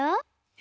え。